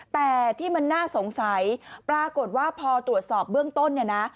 แต่ที่มันน่าสงสัยปรากฏว่าพอตรวจสอบเบื้องต้นเนี่ยนะ